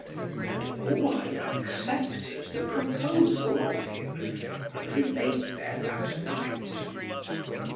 And Owain accepted the proposal of him, and remained there that night.